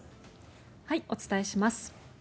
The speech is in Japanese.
お伝えします。